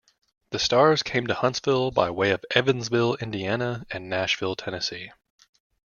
The Stars came to Huntsville by way of Evansville, Indiana and Nashville, Tennessee.